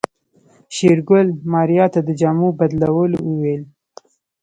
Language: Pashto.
شېرګل ماريا ته د جامو بدلولو وويل.